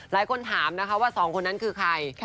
หลายคนถามว่า๒คนนั่นคือใคร